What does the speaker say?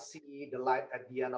cahaya di akhir tunnel